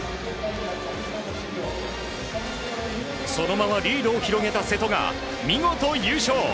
そのままリードを広げた瀬戸が見事、優勝！